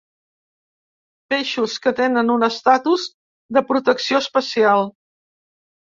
Peixos que tenen un estatus de protecció especial.